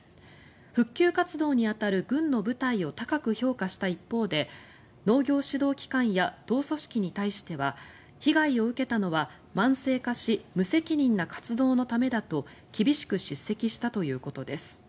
復旧活動に当たる軍の部隊を高く評価した一方で農業指導機関や党組織に対しては被害を受けたのは慢性化し無責任な活動のためだと厳しく叱責したということです。